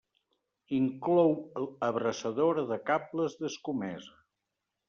Inclou abraçadora de cables d'escomesa.